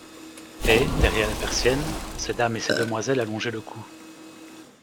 Et, derrière les persiennes, ces dames et ces demoiselles allongeaient le cou.